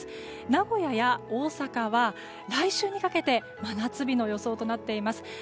名古屋や大阪は来週にかけて真夏日の予想となっています。